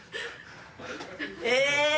え！